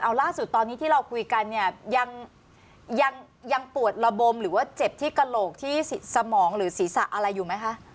เอาล่าสุดตอนนี้ที่เราคุยกันเนี่ยยังปวดระบมหรือว่าเจ็บที่กระโหลกที่สมองหรือศีรษะอะไรอยู่ไหมคะ